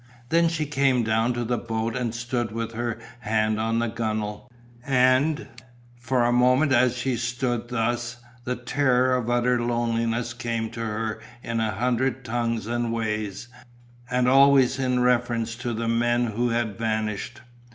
Then she came down to the boat and stood with her hand on the gunnel, and, for a moment as she stood thus, the terror of utter loneliness came to her in a hundred tongues and ways, and always with reference to the men who had vanished.